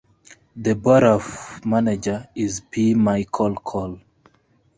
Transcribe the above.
The Borough Manager is P. Michael Coll.